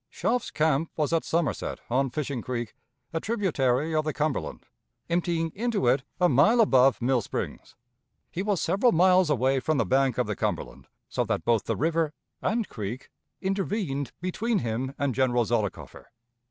Schopf's camp was at Somerset, on Fishing Creek, a tributary of the Cumberland, emptying into it a mile above Mill Springs. He was several miles away from the bank of the Cumberland, so that both the river and creek intervened between him and General Zollicoffer.